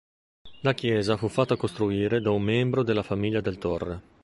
La chiesa fu fatta costruire da un membro della famiglia del Torre.